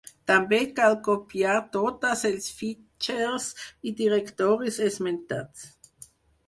També cal copiar totes els fitxers i directoris esmentats.